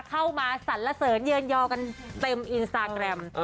เข้ามาสันละเสิร์นเยือนยอกันเต็มอินสตาร์แกรม